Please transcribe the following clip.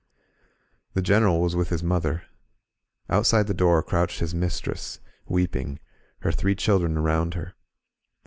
The Greneral was with his mother. Outside the door crouched his mistress, weeping, her three children around her.